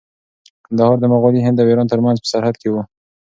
کندهار د مغلي هند او ایران ترمنځ په سرحد کې و.